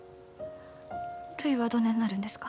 るいはどねんなるんですか？